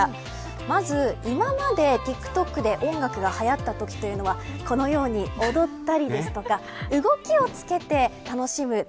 まず、今までＴｉｋＴｏｋで音楽がはやったときというのはこのように、踊ったりですとか動きをつけて楽しむと。